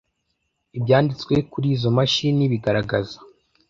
Ibyanditse kuri izo mashini bigaragaza